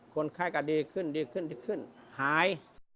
คนไข้ก็ดีขึ้นหาย